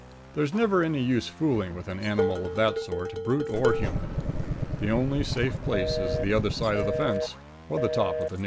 There's never any use fooling with an animal of that sort, brute or human. The only safe place is the other side of the fence or the top of the nearest tree.